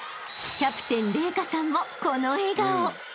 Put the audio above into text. キャプテン麗華さんもこの笑顔］